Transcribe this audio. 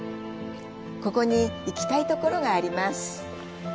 ここに行きたいところがあります。